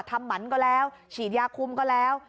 หมันก็แล้วฉีดยาคุมก็แล้ว